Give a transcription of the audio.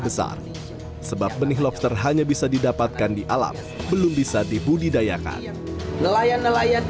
besar sebab benih lobster hanya bisa didapatkan di alam belum bisa dibudidayakan nelayan nelayan